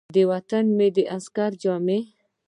د وطن مې د عسکر جامې ،